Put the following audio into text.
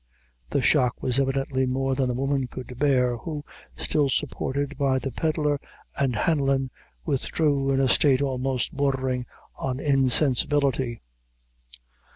The shock was evidently more than the woman could bear, who, still supported by the Pedlar and Planlon, withdrew in a state almost bordering on insensibility.